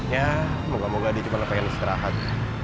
ya moga moga dia cuma pengen istirahat